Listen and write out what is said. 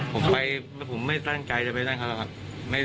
ผมไปผมไม่ตั้งใจจะไปหาเขาแล้วครับ